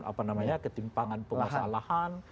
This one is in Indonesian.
apa namanya ketimpangan pengasal lahan